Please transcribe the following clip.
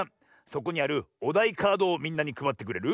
そこにあるおだいカードをみんなにくばってくれる？